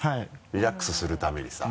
リラックスするためにさ。